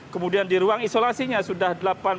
kemudian di ruang isolasinya sudah delapan puluh